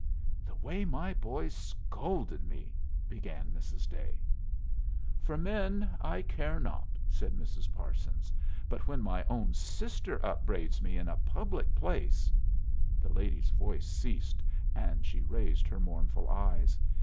"The way my boys scolded me " began Mrs. Day. "For men I care not," said Mrs. Parsons. "But when my own sister upbraids me in a public place " The lady's voice ceased, and she raised her mournful eyes.